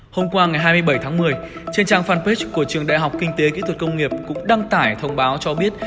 hôm qua ngày hai mươi bảy tháng một mươi trên trang fanpage của trường đại học kinh tế kỹ thuật công nghiệp cũng đăng tải thông báo cho biết